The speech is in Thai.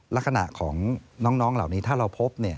ลักษณะของน้องเหล่านี้ถ้าเราพบ